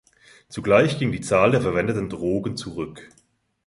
Zugleich ging die Zahl der verwendeten Drogen zurück.